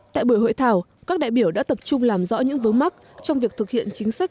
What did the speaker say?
tại buổi hội thảo các đại biểu đã tập trung làm rõ những vướng mắt trong việc thực hiện chính sách